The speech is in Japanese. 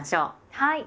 はい。